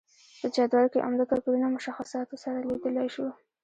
په جدول کې عمده توپیرونه مشخصاتو سره لیدلای شو.